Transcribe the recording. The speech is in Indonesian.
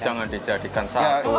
ya jangan dijadikan satu